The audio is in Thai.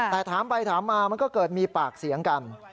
แต่ถามไปถามมามันก็เกิดมีปากเสียงกัน